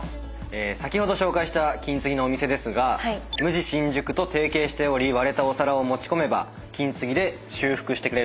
先ほど紹介した金継ぎのお店ですがＭＵＪＩ新宿と提携しており割れたお皿を持ち込めば金継ぎで修復してくれるサービスを行っているそうです。